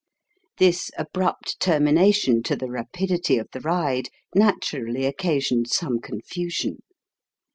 This abrupt termination to the rapidity of the ride, naturally occa sioned some confusion.